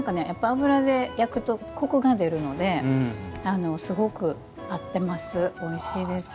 油で焼くとコクが出るのですごく合ってます、おいしいです。